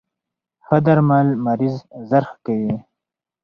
ښه درمل مریض زر ښه کوی.